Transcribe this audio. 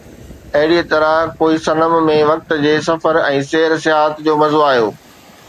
اهڙيءَ طرح ڪوئي صنم ۾ وقت جي سفر ۽ سير سياحت جو مزو آيو